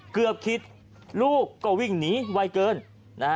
เกือบคิดลูกก็วิ่งหนีไวเกินนะฮะ